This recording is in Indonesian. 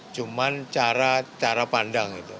cuma cara pandang gitu